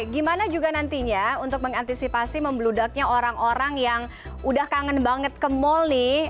gimana juga nantinya untuk mengantisipasi membludaknya orang orang yang udah kangen banget ke mall nih